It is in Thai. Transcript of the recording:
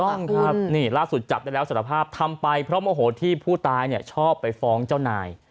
ครับนี่ล่าสุดจับได้แล้วสารภาพทำไปเพราะโมโหที่ผู้ตายเนี่ยชอบไปฟ้องเจ้านาย